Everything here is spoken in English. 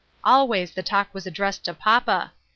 Always the talk was addressed to papa.